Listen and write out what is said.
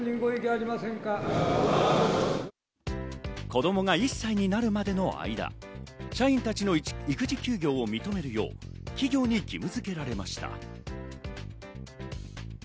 子供が１歳になるまでの間、社員たちの育児休業を認めるよう、企業に義務づけられました。